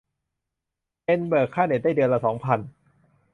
เป็น เบิกค่าเน็ตได้เดือนละสองพัน